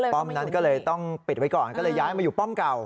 นั้นก็เลยต้องปิดไว้ก่อนก็เลยย้ายมาอยู่ป้อมเก่า